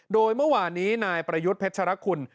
โดยเมื่อวานนี้นายประยุทธ์เพชรคุณ